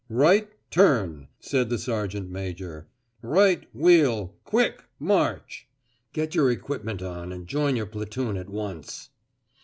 "Right Turn!" said the sergeant major. "Right Wheel Quick March! Get your equipment on and join your platoon at once."